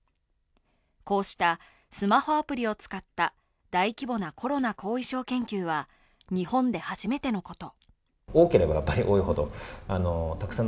こうしたスマホアプリを使った大規模なコロナ後遺症研究は日本で初めてのこと。